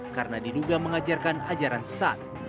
karena diduga mengajarkan ajaran sesat